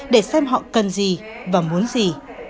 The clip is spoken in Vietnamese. để xem họ cần gì và muốn gì